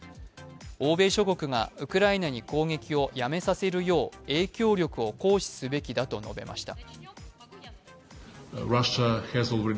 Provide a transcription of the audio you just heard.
欧米諸国がウクライナに攻撃を辞めさせるよう影響力を行使すべきだと述べました。